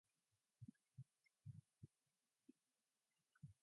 These records are officially recognised by the Guinness World Records.